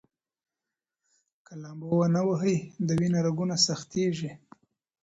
که لامبو ونه ووهئ، د وینې رګونه سختېږي.